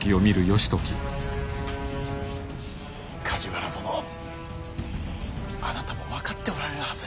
梶原殿あなたも分かっておられるはず。